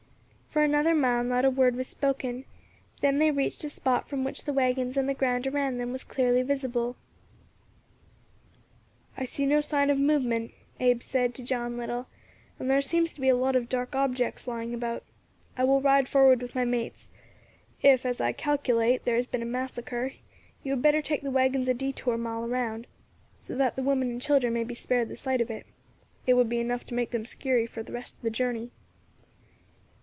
For another mile not a word was spoken; then they reached a spot from which the waggons and the ground around them was clearly visible. "I see no sign of movement," Abe said to John Little, "and thar seems to be a lot of dark objects lying about. I will ride forward with my mates. If, as I calculate, there has been a massacre, you had better take the waggons a detour a mile round, so that the women and children may be spared the sight of it. It would be enough to make them skeery for the rest of the journey."